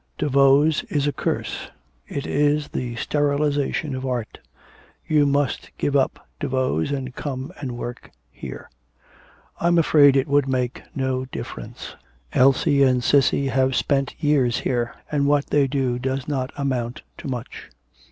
Daveau's is a curse. It is the sterilisation of art. You must give up Daveau's, and come and work here.' 'I'm afraid it would make no difference. Elsie and Cissy have spent years here, and what they do does not amount to much.